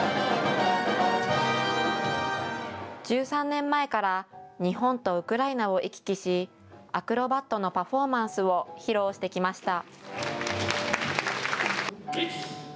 １３年前から日本とウクライナを行き来しアクロバットのパフォーマンスを披露してきました。